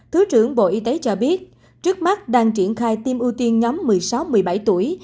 thứ trưởng bộ y tế cho biết trước mắt đang triển khai tiêm ưu tiên nhóm một mươi sáu một mươi bảy tuổi